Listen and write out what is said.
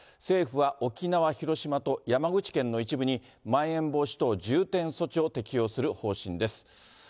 政府は沖縄、広島と、山口県の一部に、まん延防止等重点措置を適用する方針です。